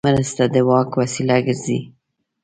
مرسته د واک وسیله ګرځي.